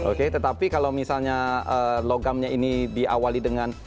oke tetapi kalau misalnya logamnya ini diawali dengan